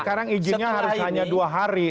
sekarang izinnya harus hanya dua hari